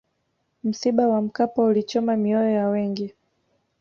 msiba wa mkapa ulichoma mioyo ya wengi